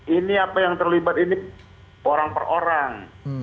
ini apa yang terlibat ini orang per orang